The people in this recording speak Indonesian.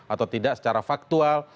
atau tidak secara faktual